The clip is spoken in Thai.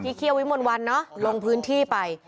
คุณเคี่ยววิมนต์วัลนะไปจรงพื้นที่ไป